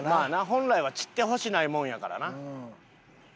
本来は散ってほしないもんやからな。